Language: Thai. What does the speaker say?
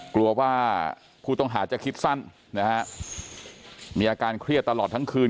กลัวว่าผู้ต้องหาจะคิดสั้นนะฮะมีอาการเครียดตลอดทั้งคืน